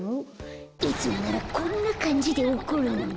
いつもならこんなかんじで怒るのに。